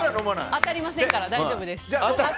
当たりませんから大丈夫です。